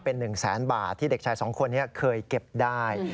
เป็น๑แสนบาทที่เด็กชายสองคนนี้เคยเก็บได้